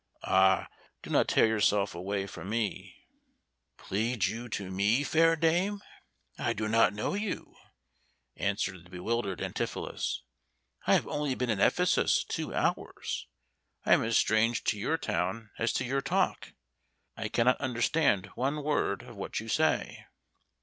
Ah, do not tear yourself away from me!" [Illustration: "How comes it that you are thus estranged?"] "Plead you to me, fair dame? I do not know you," answered the bewildered Antipholus. "I have only been in Ephesus two hours; I am as strange to your town as to your talk; I cannot understand one word of what you say."